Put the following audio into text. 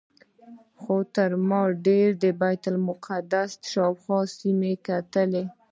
خو ما تر ډېره د بیت المقدس شاوخوا سیمو ته کتل.